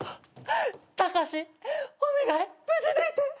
タカシお願い無事でいて。